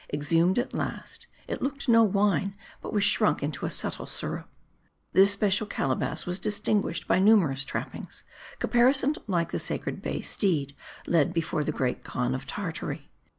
Exhumed at last, it looked no wine, but was shrunk into a subtile syrup. This special calabash was distinguished by numerous trap pings, caparisoned like the sacred bay steed led before the Great Khan of Tartary.